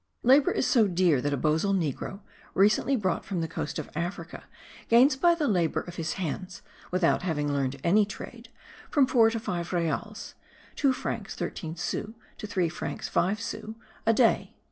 Labour is so dear that a bozal negro, recently brought from the coast of Africa, gains by the labour of his hands (without having learned any trade) from four to five reals (two francs thirteen sous to three francs five sous) a day.